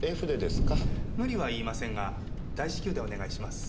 無理は言いませんが大至急でお願いします。